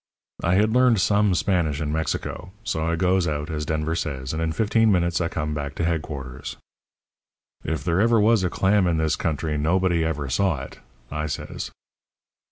"I had learned some Spanish in Mexico, so I goes out, as Denver says, and in fifteen minutes I come back to headquarters. "'If there ever was a clam in this country nobody ever saw it,' I says.